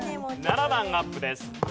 ７段アップです。